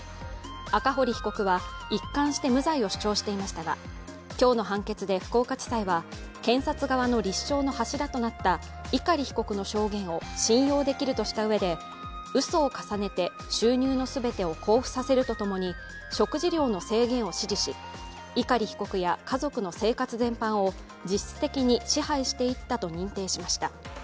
赤堀被告は一貫して無罪を主張していましたが、今日の判決で、福岡地裁は検察側の立証の柱となった碇被告の証言を信用できるとしたうえで、うそを重ねて収入の全てを交付させると共に食事量の制限を指示し碇被告や、家族の生活全般を実質的に支配していったと認定しました。